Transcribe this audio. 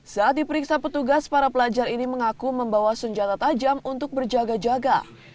saat diperiksa petugas para pelajar ini mengaku membawa senjata tajam untuk berjaga jaga